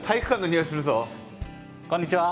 こんにちは。